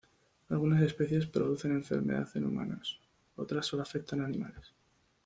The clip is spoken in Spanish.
Algunas especies producen enfermedad en humanos, otras solo afectan a animales.